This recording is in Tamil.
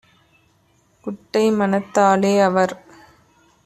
குட்டை மனத்தாலே - அவர்